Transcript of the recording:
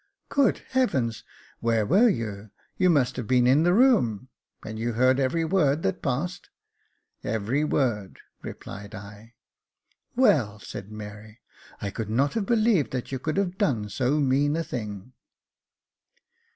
" Good heaven ! where were you ? You must have been in the room. And you heard every word that passed ?"" Every word," replied I. ''Well," said Mary, "I could not have believed that you could have done so mean a thing."